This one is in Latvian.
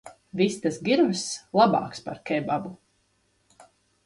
Vistas giross labāks par kebabu.